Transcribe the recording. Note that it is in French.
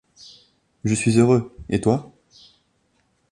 Je suis heureux ! et toi ?